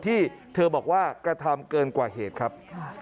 ที่เธอบอกว่ากระทำเกินกว่าเหตุครับ